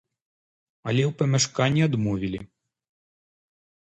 Але ў памяшканні адмовілі.